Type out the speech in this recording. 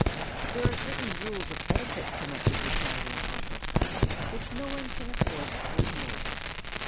There are certain rules of etiquette connected with riding on horseback, which no one can afford to ignore.